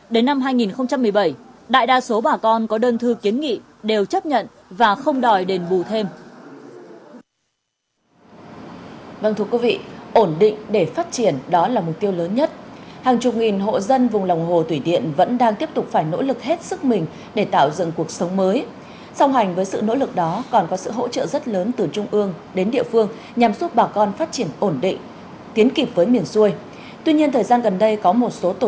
đến năm hai nghìn một mươi bảy đại đa số bà con có đơn thư kiến nghị đều chấp nhận và không đòi đền bù thêm